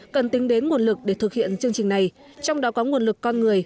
cần tính đến nguồn lực để thực hiện chương trình này trong đó có nguồn lực con người